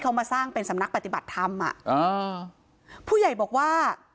เขามาสร้างเป็นสำนักปฏิบัติธรรมอ่ะอ่าผู้ใหญ่บอกว่า